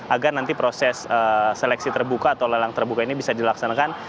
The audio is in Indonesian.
agar nanti proses seleksi terbuka atau lelang terbuka ini bisa dilaksanakan